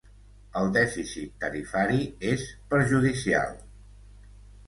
El dèficit tarifari és perjudicial.